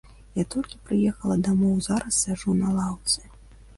Я толькі прыехала дамоў, зараз сяджу на лаўцы.